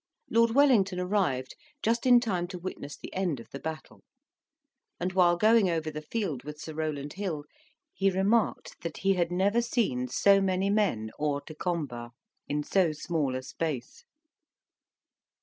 Lord Wellington arrived just in time to witness the end of the battle; and while going over the field with Sir Rowland Hill, he remarked that he had never seen so many men hors de combat in so small a space.